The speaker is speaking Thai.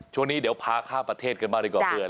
ช่วงนี้เดี๋ยวพาข้ามประเทศกันบ้างดีกว่าเพื่อน